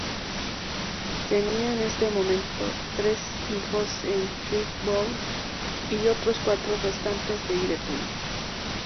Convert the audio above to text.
Tenía en ese momento tres hijos con Fleetwood y otros cuatro restantes de Ireton.